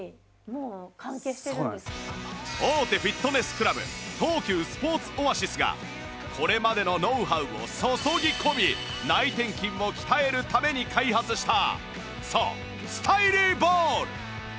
大手フィットネスクラブ東急スポーツオアシスがこれまでのノウハウを注ぎ込み内転筋を鍛えるために開発したそうスタイリーボール！